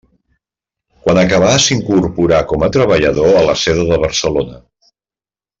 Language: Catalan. Quan acabà s'incorporà com a treballador a La Seda de Barcelona.